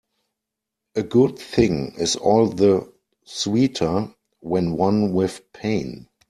A good thing is all the sweeter when won with pain.